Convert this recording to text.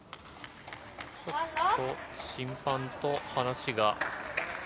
ちょっと、審判と話が。